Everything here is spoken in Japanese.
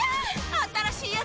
新しいやつ！